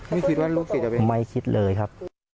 ไม่คิดว่าลูกศิษย์จะเป็นไม่คิดเลยครับ